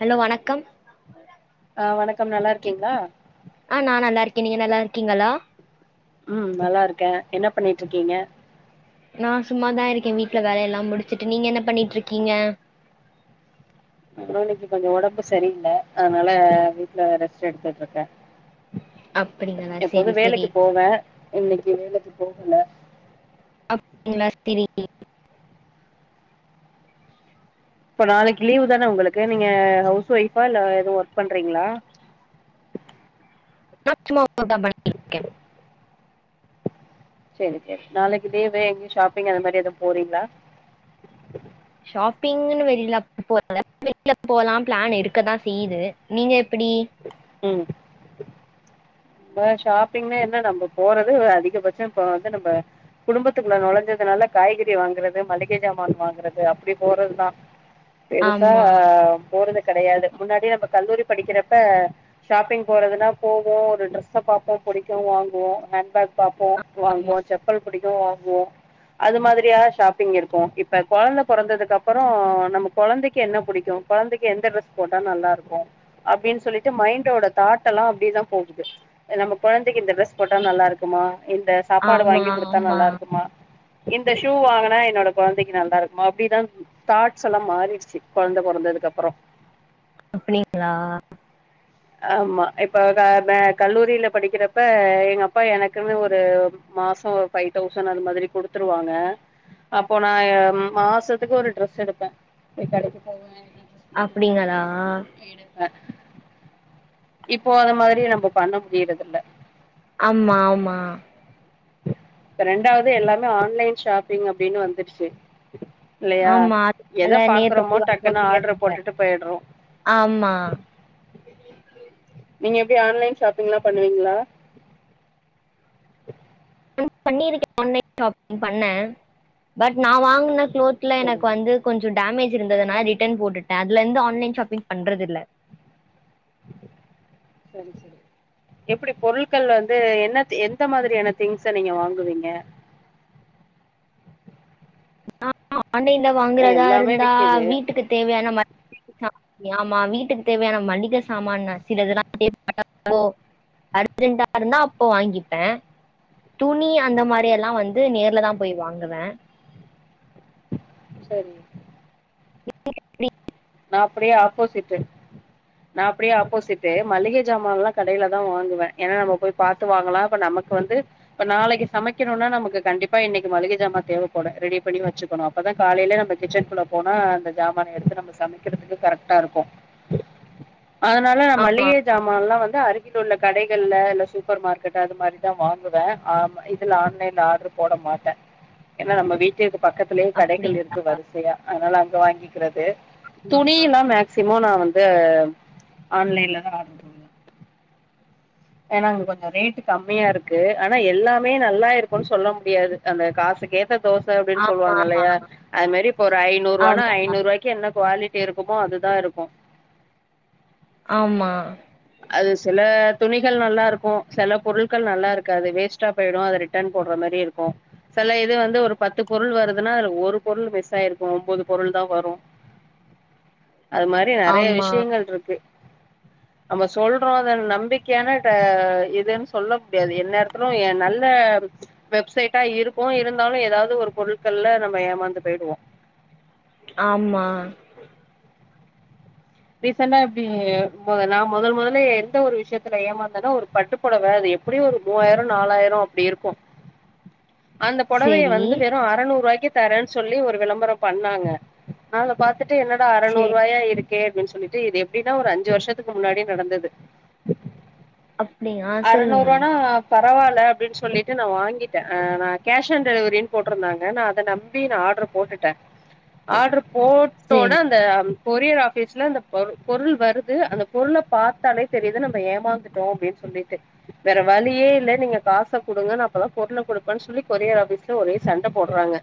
Hello வணக்கம் [inaudible] அ வணக்கம் நல்லாருக்கீங்ளா அ நா நல்லாருக்கே நீங்க நல்லா இருக்கீஙளா அ நல்லாருக்கே என்ன பண்ணிட்ருக்கீங்க நா சும்மாதா இருக்கே வீட்ல வேலை எல்லா முடிச்சுட்டு நீங்க என்ன பண்ணிட்ருக்கீங்க அப்புறம் இன்னிக்கு கொஞ்ச ஒடம்பு சரியல அதனால வீட்ல ரெஸ்ட் எடுத்துட்டு இருக்கே அப்படிங்களா எப்பவுமே செரி செரி வேலக்கு போவே இன்னக்கு வேலக்கு போகல அப்டிங்ளா ஸ்திரி இப்ப நாளக் லீவ் தான உங்களுக்கு நீங்க ஹவுஸ் ஒய்ஃபா இல்ல எதுவு ஒர்க் பண்றீங்ளா நா சும்மா [unintelligible] சேரி சேரி நாளக்கு லீவு எங்கயு ஷாப்பிங் அந்த மாரி எது போறீங்ளா ஷாப்பிங்ன்னு வெளில போ வெளில போலா ப்ளான் இருக்கதா செய்யுது நீங்க எப்புடி ம் நா ஷாப்பிங் என்ன நம்ம போறது அதிகபட்ச இப்ப வந்து நம்ம குடும்பத்துக்குள்ள நொழஞ்சதுனால காய்கறி வாங்குற மளிகை ஜாமான் வாங்குற அப்டி போறதுதா பெருசா ஆமா போறது கடையாது முன்னாடி நம்ம கல்லூரி படிக்கிறப்ப ஷாப்பிங் போறதுனா போவோ ஒரு ட்ரெஸ் சப்பாப்போ புடிக்கு வாங்குவோ ஹேண்ட் பேக் பாப்போ வாங்குவோ ஆமா செப்பல் புடிக் டோ வாங்குவோ அது மாதிரியா ஷாப்பிங் இருக்கு இப்ப கொழந்த பொறந்ததுக் அப்பறோ நம்ம கொழந்தைக்கி என்ன புடிக்கும் கொழந்தைக்கு எந்த ட்ரெஸ் போட்டா நல்லா இருக்கும் அப்புடின்னு சொல்லிட்டு மைண்டோட தாட்டல்லா அப்புடிதா போகுது அ நம்ம குழந்தைக்கு இந்த ட்ரெஸ் போட்டா நல்லா இருக்குமா இந்த சாப்பாடு ஆமா வாங்கி குடுத்தா ஆமா நல்லா இருக்குமா இந்த ஷூ வாங்கனா என்னோட கொழந்தைக்கி நல்லா இருக்குமா அப்புடிதா தாட்ஸ்ல்லா மாரிடுச்சி கொழந்த பொறந்ததுக் அப்பறோ [unintelligible] ஆமா இப்ப க வே கல்லூரியில படிக்கிறப்ப எங்க அப்பா எனக்குன்னு ஒரு மாசம் ஒரு ஃபைவ் தௌசண்ட் அது மாதிரி குடுத்துருவாங்க அப்போ நா ஏ மாசத்துக்கு ஒரு ட்ரஸ் எடுப்ப ஏ கடைக்கு போவே அப்புடிங்களா ஆ இப்போ அத மாதிரி நம்போ பண்ண முடியறதில்ல ஆமா ஆமா ரெண்டாவது எல்லாமே ஆன்லைன் ஷாப்பிங் அப்புடின்னு வந்துருச்சு ஆமா அதனால பாக்குறோமோ [unintelligible] டக்குன்னு முடியா ஆர்டர் போட்டுட்டு போயிடுறோம் ஆமா நீங்க எப்படி ஆன்லைன் ஷாப்பிங் எல்லா பண்ணுவீங்களா பண்ணியிருக்கே ஆன்லை ஷாப்பிங் பண்ண பட் நா வாங்கன குளோத்ல சரி எனக் வந்து கொஞ்ச டேமேஜ் இருந்ததுன ரிட்டன் போட்டுட்டே அதுல இருந்து ஆன்லைன் ஷாப்பிங் பண்றது இல்ல சரி சரி எப்படி பொருட்கள் வந்து என்ன எந்த மாதிரியான திங்ஸ நீங்க வாங்குவீங்க ஆஹ ஆன்லைன்ல நான் வாங்குறதா எல்லாமே இருந்தா விக்குது வீட்டுக்கு தேவையான மண் ஆமா வீட்டுக்கு தேவையான மளிகை சாமான் நா சில்லா தேட்டோ அர்ஜென்டா இருந்தா அப்போ வாங்கிப்பே தூ நீ அந்த மாதிரி ம், எல்லா வந்து நேர்ல தா போய் வாங்குவ சரி இப்டி அப்படியே ஆப்போசிட்டு நா அப்படியே ஆப்போசிட்டு மளிக சாமால்லா கடையில தா வாங்குவே ஏன்னா ந போ் பத்த வாங்கலா நமக்கு வந்து நாளைக்கு சமைக்கணும்னா நமக்கு கண்டிப்பா இன்னைக்கு மளிகை சாமான் தேவைப்படு ரெடி பண்ணி வச்சுக்கணும் அப்பதா காலயில ந கிச்குள்ள போனா அந்த ஜமன் எடுத்து சமை இருகிறதுக் கரெக்ட்டா இருக்கு அதனால நான் மளிகை சாமான் எல்லாவந்து அருகில உள்ள கடைகள்ளா இல்ல சூப்பர் மார்க்கெட் அது மாதிரிதா வாங்குவே ஆன்லைன்ல ஆர்டர் போட மாட்ட என்ன நம்ம வீட்ட பக்கத்திலேயே கடைகள் அப்டிங்க இருக் வரிசயா அதனால அங்க வாங்ககிறது டி லாம் மேக்சிமம் இப்ப நா வந்து ஆன்லைன்லா ஆடர் பண்ணுற ஏன்னா அங்க கொஞ்ச ரேட்டு் கம்மியா இருக்கு ஆனா எல்லாமே நல்லா இருக்குன்னு சொல்ல முடியாது அந்த காசுக்கே முட்டா தோச அப்படின்னு ஆமா சொல்வாங்கல்லா அதமாரி இப்ப ஒரு நூறு ஆமா ரூவாய்க்கு என்ன குலிட்டி இருக்குமோ அதுதா இருக்கும் ஆமா அது சில துணிகள் நல்லாருக்கும் சில பொருட்கள் நல்லா இருக்காது வேஸ்டா போயிடும் அத ரிட்டர்ன் போடுற மாரி இருக்கும் சில இது வந்து ஒரு பத்து பொருள் வருதுன்னா அதுல ஒரு பொருள் மிஸ் ஆயிருக்கும் ஒம் போது பொருள் தான் வரும் அது மாரி நறைய ஆமா விஷயங்கள் இருக்கு நம்ம சொல்றோம் அத நம்பிக் க்கையான இதுன்னு சொல்ல முடியாது என் நேரத்திலும் நல்ல வெப்சைட்டா இருக்கும் இருந்தாலும் ஏதாவது ஒரு பொருட்கள்ல நம்ம ஏமாந்து போய்டுவோம் ஆமா ரீசண்டா இப்டி நா மொதல் மொதல எந்த ஒரு விஷயத்துல ஏமாந்தேன்னா ஒரு பட்டுப்பொடவ அது எப்படியும் ஒரு மூவாயிரம் நாலாயிரம் அப்டி இருக்கும் அந்த பொடவைய செரி வந்து வெறும் அறநூரூவாய்க்கு தரேன் சொல்லி ஒரு விளம்பரம் பண்ணாங்க நாங்க பாாரத்துட்டு என்னடா செரி அறநூரூவாயா இருக்கு க்கே அப்படின்னு சொல்லிட்டு இது எப்படின்னா ஒரு அஞ்சு வருஷத்துக்கு முன்னாடியே நடந்தது அப்டியா அறநூறு சொல்லுங்க ரூவானா பரவால்ல ல்ல அப்படின் சொல்லிட்டு நா வாங்கிட்டேன் நா கேஷ் ஆன் டெலிவரின்னு போட்ருந்தாங்க நான் அத நம்பி நா ஆர்டர் போட்டுட்டேன் ஆடரு போட்டோ செரி அந்த கொரியர் ஆப் பிஸ்ல அந்த பொருள் பொருள் வருது அந்த பொருள பாத்தாலே தெரிது நம்ம ஏமாந்துட்டோ அப்படின் சொல்லிட்டு வேற வழியே இல்ல நீங்க காச கொடுங்க நா அப்பதா பொருள கொடுப்பேன்னு சொல்லி கொரியர் ஆபீஸ்ல ஒரே சண்ட போட்றாங்க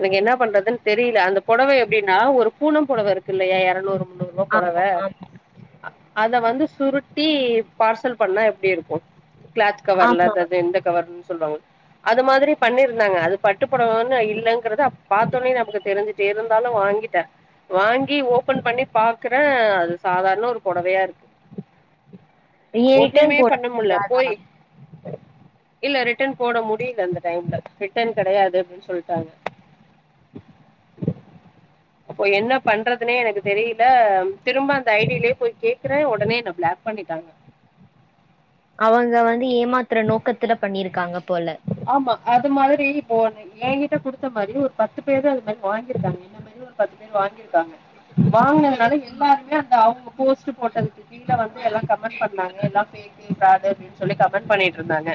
எனக்கு என்ன பண்றதுன்னு தெரியல அந்த பொடவ எப்டின்னா ஒரு பூனம் பொடவ இருக்கில்லையா எரநூறு முன்னூரூவா பொடவ ஆமா ஆமா அத வந்து சுருட் டி பார்சல் பண்ணா எப்படி இருக்கும் க்ளாத் கவர்ல ஆமா அது அது இந்த கவர் சொல்வாங்க அது மாதிரி பண்ணிருந்தாங்க அது பட்டுப் பொடவனு இல்லலங்கிறத பாத்தோன்னே நமக்கு தெரிஞ்சுட்டு இருந்தாலு வாங்கிட்டே வாங்கி ஓபன் பண்ணி பாக்குறே அது சாதாரண ஒரு பொடவையா இருக்கு நீங்க ரிட்டன் ஒண்ணுமே போட பண்ண முல்ல முடியாதா போய் இல்ல ரிட்டன் போட முடியில அந்த டைம்ல ரிட்டன் கடையாது அப்டினு சொல்ட்டாங்க அப்போ என்ன பண்றதுனே எனக்கு தெரியி ல திரும்ப அந்த ஐ டியிலயே போய் கேக்குறே ஒடனே என்ன பிளாக் பண்ணிட்டாங்க [unintelligible] து ஏமாத்ற நோக்கத்துல பண்ணியிருக் காங்க போல ஆமா அது மாதிரி இப்போ ஏங்கிட்ட குடுத்த மாரி ஒரு பத்து பேரு அது மாரி வாங்கிருக்காங்க என்ன மாரி ஒரு பத்து பேர் வாங்கிருக்காங்க வாங்கினதுனால எல்லாருமே அந்த அவங்க போஸ்ட் போட்டதுக்கு கீழ வந்து எல்லாமே கமெண்ட் பண்ணாங்க எல்லாம் ஃபேக்கு ஃபிராடு அப்டினு சொல்லி கமெண்ட் பண்ணிட்ருந்தாங்க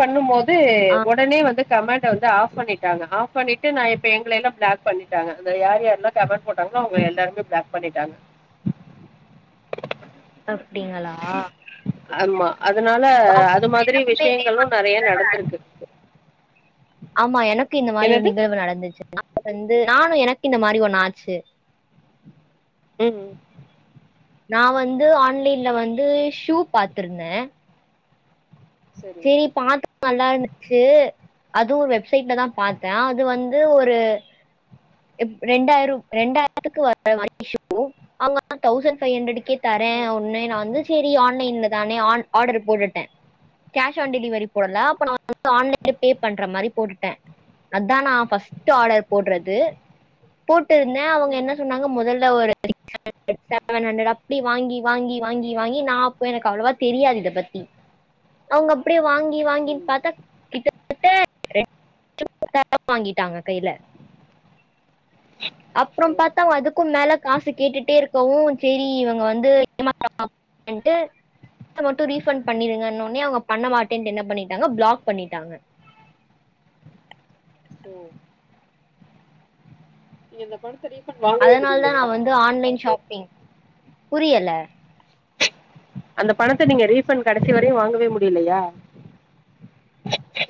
பண்ணும் போது ஆ ஒடனே வந்து கமெண்ட் ட வந்து ஆஃப் பண்ணிட்டாங்க ஆஃப் பண்ணிட்டு நா இப்ப எங்கள எல்லா பிளாக் பண்ணிட்டாங்க அந்த யார் யார்லா கமென்ட் போட்டாங்களோ அவங்க எல்லாருமே பிளாக் பண்ணிட்டாங்க அ ஆமா அதனால அது மாதிரி எனக்குமே இதே விஷயங்களு நிறைய நடந்திருக்கு கு இந்த மாரி ஒரு என்னது? நிகழ்வு நடந்துச்சு வந்து நானு எனக்கு இந்த மாரி ஒண்ணு ஆச்சு உம் நா வந்து ஆன்லைன்ல வந்து ஷூ பாத்துருந்தே சரிங்க. செரி பாத்த நல்லாருந்துச்சு அதுவும் ஒரு வெப்சைட்ல தா பாத்தே அது வந்து ஒரு ரெண்டாயிரம் ரெண்டாயிரத்துக்கு [inaudible] அவங்க தௌசண்ட் பைவ் ஹண்ட்ரடுக்கே தரே ஆ. ஒன்னு நா வந்து சரி ஆன்லைன்ல தானே ஆன் ஆர்டர் போட்டுட்டே கேஷ் ஆன் டெலிவரி போடல அப்ப நா ஆன்லைன்ல பே பண்ற மாரி போட்டுட்டே அதா நா ஃபஸ்ட் ஆர்டர் போடுறது போட் ட்டுருந்தே அவங்க ம். என்ன சொன்னாங்க மொதல [inaudible] செவன் ஹண்டரட் அப்டி வாங்கி வாங்கி வாங்கி வாங்கி நா அப்ப எனக்கு அவ்வளவா தெரியாது இத பத்தி அவங்க அப்படியே வாங் ங்கி வாங்கி சரிங்க. பாத்தா [inaudible] [inaudible] வாங்கிட்டாங்க கையில அப்புறம் ம், பாத்தா அதுக்கும் மேல காசு கேட்டுட்டே இருக் இப்பவு செரி இவ்ங்க வந்து ஏமாத்துராங் [inaudible] ன்ட்டு [inaudible] த்த மட்டு ரீஃபண்ட் பண்ணிருங்கன்னே னே அவ்ங்க பண்ணமாட்டேன்ட்டு என்ன பண்ணிட்டாங்க பிளாக் பண்ணிட்டாங்க ஓ என்ன பொருத்த ரிவ் அதனால் தா நா வந்து ஆன்லைன் ஷாப்பிங் புரியல அந்த பணத்த நீங்க ரீஃபண்ட் கடைசி வரையு வாங்கவே முடிலையா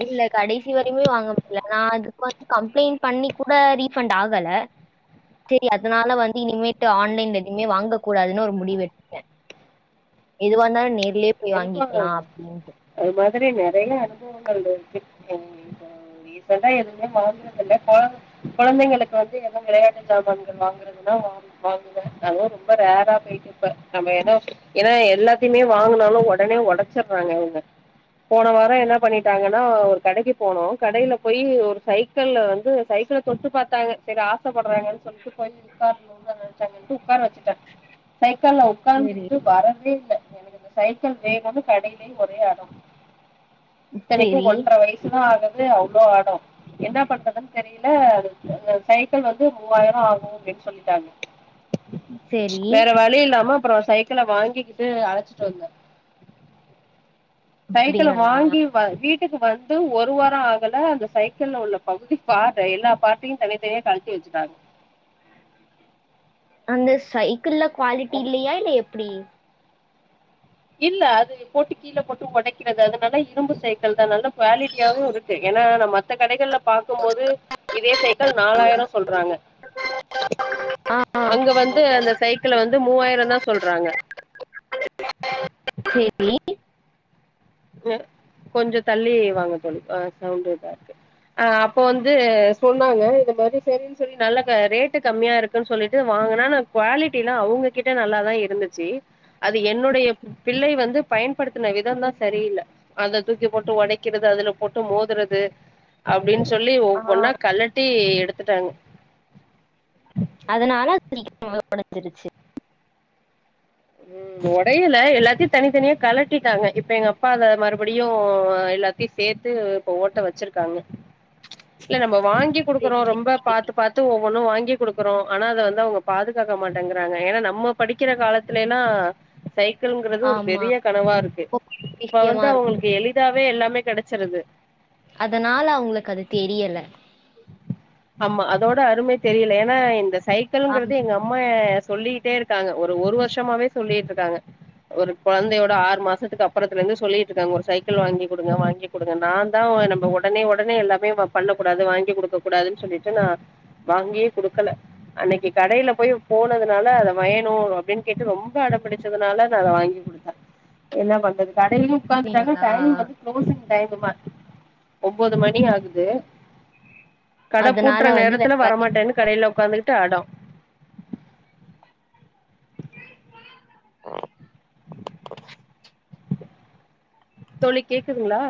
இல்ல கடைசி வரைமே வாங்க முடில நா அதுக்கு வந்து கம்ப்ளைண்ட் பண்ணி கூட ரீஃபண்ட் ஆகல செரி அதனால வந்து இனிமேட்டு ம். ஆன்லைன்ல எதுமே வாங்க கூடாதுன்னு ஒரு முடிவு எடுத்துட்டே எதுவ இருந்தாலு நேர் எனக்கு அது மாதிரி நெறையா அனுபவ வந்தர்துக்கு அஹ் இப்ப ரிசெண்ட்டா எதுவுமே வாங்கறது இல்ல பால் கொழந்தைங்களுக்கு வந்து எதா வெளையாட்டு சாமான்கள் வாங்கறதுனா வாங் வாங்குவே அதுவு ரொம்ப ரேரா போயிட்ருக்கு நம்ம ஏனா ஏனா எல்லாத்தைமே வாங்குவோ ஓ ஒடனே ஒடச்சிர்றாங்கங்க போன வார என்ன பண்ணிட்டாங்கனா ஒரு கடைக்கு போனோ கடைல போய் ஒரு சைக்கிள்ல வந்து சைக்கிள தொட்டு பாத்தாங்க செரி ஆச ப்பட்றாங்கன் சொல்ட்டு பைக் கார்லேலா கொண்டு வந்ட்டு உக்கார வச் சுட்டே சைக்கிள்ல சரி உக்காந்துக்கிட்டு வரவே வேல்ல சைக்கிள் வேணும்னு கடைலே ஒரே அடம் இத்தனைக்கு சரி ஒன்ர வயசுதா ஆகு இல்ல அவ்ளோ அட என்ன பண்றதுன் தெரியல அது அஹ் சைக்கிள் வந்து மூவாயிர ஆகு அப்டின் சொல்லிட்டாங்க சரி வேற வழி இல்லாம அப்றோ சைக்கிள வாங்கிக்கிட்டு அழச்சிட் டாங்க சைக்கிள அப்படிங்களா வாங்கி வா வீட் க்கு வந்து ஒரு வார ஆகல அந்த சைக்கிள்ல உள்ள பகுதி பார்ட எல்லா பா்டையு தனித்தனியா கழட்டி வச்சுட்டாங்க அந்த சைக்கிள்ல குவாலிட்டி இல்லயா இல்ல எப்டி இல்ல அது போட்டு கீழே போட்டு ஒடைக்கிறது அந்த கடைல இரும்பு சைக்கிள் நம்மளவிட குவாலிட்டியாவு இருக்கு ஏனா நா மத்த கடைகள்ல பாக்கும்போது இதே சைக்கிள் நாலாயிர சொல்றாங்க ஆ ஆ, அங்க வந்து அந்த சைக்கிள வந்து மூவாயிர தா சொல்றாங்க சேரி ஓ கொஞ்ச தள்ளி வாங்க தோழி ஆஹ் சவுண்டாதா இருக்கு அஹ் அப்ப வந்து சொன்னாங்க இது மாரி செரின் சொல்லி நல்லதா ரேட்டு கம்மியா இருக்குன் சொல்லிட்டு வாங்குனே நா குவாலிட்டிலா அவ்ங்ககிட்ட நல்லாதா இருந்துச்சு அது என்னுடைய பிள்ளை வந்து பயன்படுத்துன விதம் தா சரியில்ல அத தூக்கி போட்டு ஒடைக்கிறது அதுல போட்டு மோதுறது அ ப்டின் சொல்லி ஆ, ஒவ்வொன்னா கலட்டி எடுத் த்துட்டாங்க அதனால அப்டி [inaudible] உடைஞ்சிருச்சு உம் ஒடையல எல்லாத்தையு தனித்தனியா கலட்டிட்டாங்க இப்ப எங்க அப்பா அத மறுபடியு எல்லாத்தையு சேத்து இப்ப ஓட்ட வச்சிருக்காங்க இல்ல நம் வாங்கி குடுக்குறோ சரி சரி ரொம்ப பாத்து பாத்து ஒன்னு வாங்கி குடுக்குறோ ஆனா அத வந்து அவ்ங்க பாதுகாக்க மாட்டேங்கிறாங்க ஏனா நம்ம படிக்கிற காலத்லைலா சைக்கிள்ங்கிறது ஒரு ஆமா பெரிய கனவா இருக்கு இப்ப விஷயமா வந்து இருக்கும் அவங்களுக்கு எளிதாவே எல்லாம் மே கெடச்சிறது அதனால அவங்குளுக் கது தெரியல தோட அருமை தெரியில ஏன்னா இந்த ஸ் சைக்களுங்குறது எங்க அம்மா சொல்லிகிட்டே இருக்காங்க ஒரு ஒரு வர்ஷமாவே சொல்லிட்டு இருக்காங்க ஒரு குழந்தையோட ஆறு மாசத்துக்கு அப்புறத்துல இருந்து சொல்லிட்டு இருக்காங்க ஒரு சைக்கிள் வாங்கி குடுங்க வாங்கி குடுங்க நாந்தா நம்ம ஒடனே ஒடனே எல்லா பண்ணக்கூடாது வாங்கி குடுக்க கூடாதுன்னு சொல்லிட்டு நா வாங்கியே குடுக்கல அன்னக்கி கடைல போய் போனதுனால அத வயணு அப்டின் கேட்டு ரொம்ப அட பிடிச்சதுனால நா அத வாங்கி குடுத்த என்னா பண்றது கடைல்யு உட்காந்துட்டாங்க அப்படிங்களா டைம் வந்து க்ளோஸிங் டைமுமா ஒன்போது மணி ஆகுது து கட அதனால பூட்டுற வந்து வேற நேரத்துல வழி வரமாட்டேனு கடைல உக்காந்துகுட்டுஅடோ [inaudible] தோழி கேக்குதுங்ளா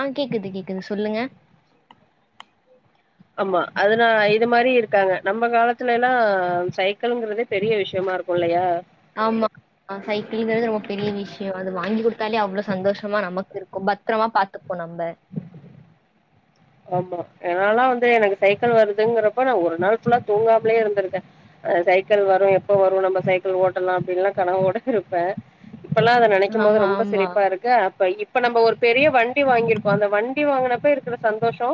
ஆ கேக்குது கேக்குது சொல்லுங்க ஆமா அதுனா இது மாரி இருக்காங்க நம்ம காலத்துலலா சைக்களுங்கிறதே பெரிய விஷ்யமா இருக்கு இல்லையா ஆமா சைக்கிள்ங்கிறது ரொம்ப பெரிய விஷ்ய அது வாங்கி குடுத்தாலே அவ்ளோ சந்தோஷமா நமக்கு இருக்கு பத்ரமா பாத்துக் போ நம்ப ஆமா என்னாலா வந்து எனக்கு சைக்கிள் வருதுங்கிறப்ப நா ஒரு நாள் ஃபுல்லா தூங்காமலே இருந்திருக்க சைக்கிள் வரு எப்ப வரு நம்ம சைக்கிள் ஓட்டலா அப்டின்ல்லா கனவோட இருப்ப இப்பலா அத நெனைக்கும்போது ஆமா ரொம்ப ஆமா சிரிப்பா இருக்கு அப்ப இப்ப நம்ப ஒரு பெரிய வண்டி வாங்கியிருப்போ அந்த வண்டி வாங்கினப்ப இருக்குற சந்தோஷோ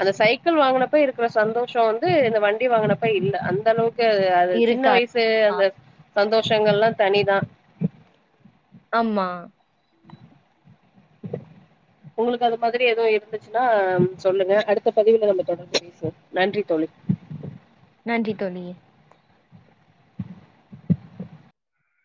அந்த சைக்கிள் வாங்குனப்ப இருக்கிற சந்தோ ஷோ வந்து இந்த வண்டி வாங்குனப்ப இல்ல அந்த அளவுக்கு கேது அது சின்ன இருக்காது வய்சு ஆ, அந்த சந்தோஷங்கள்லா தனிதா ஆமா உங்களுக்கு அது மாதிரி ஏதும் இருந்துச்சுன்னா சொல்லுங்க அடுத்த பதிவுல நம்ம தொடர்ந்து பேசுவோ நன்றி தோழி நன்றி தோழி